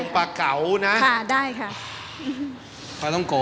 ปลาท่องโก